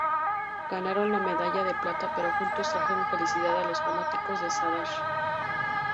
Ganaron la medalla de plata, pero juntos trajeron felicidad a los fanáticos de Zadar.